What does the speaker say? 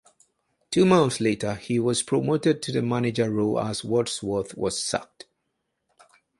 Two months later he was promoted to the manager role as Wadsworth was sacked.